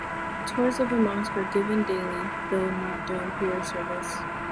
Tours of the mosque are given daily, though not during prayer service.